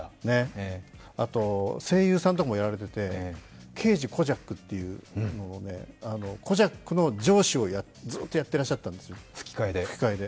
あと声優さんとかもやられてて、刑事コジャックという、コジャックの上司をずっとやってらしたんですよ、吹き替えで。